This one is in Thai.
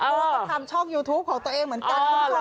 เพราะว่าเขาทำช่องยูทูปของตัวเองเหมือนกันคุณผู้ชม